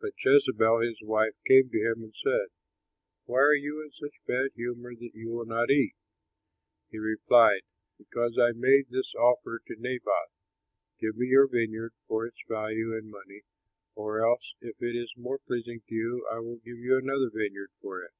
But Jezebel his wife came to him and said, "Why are you in such bad humor that you will not eat?" He replied, "Because I made this offer to Naboth, 'Give me your vineyard for its value in money, or else, if it is more pleasing to you, I will give you another vineyard for it.'